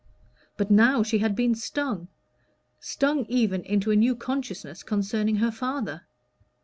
But now she had been stung stung even into a new consciousness concerning her father.